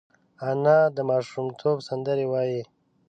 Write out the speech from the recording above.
انا د ماشومتوب سندرې وايي